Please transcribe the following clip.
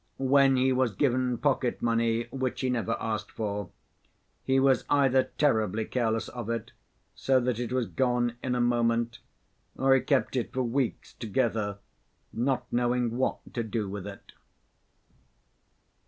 When he was given pocket‐money, which he never asked for, he was either terribly careless of it so that it was gone in a moment, or he kept it for weeks together, not knowing what to do with it.